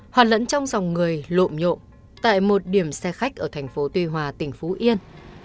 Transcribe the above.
hoạt lẫn trong dòng người lộn nhộn tại một điểm xe khách ở thành phố tuy hòa tỉnh phú yên